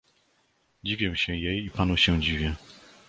"Dziwię się jej i panu się dziwię."